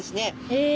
へえ。